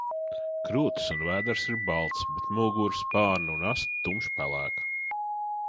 Krūtis un vēders ir balts, bet mugura, spārni un aste tumši pelēka.